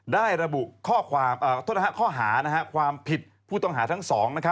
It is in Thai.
ได้ระบุข้อหาความผิดผู้ต้องหาทั้งสอง